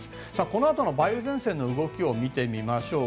このあとの梅雨前線の動きを見てみましょう。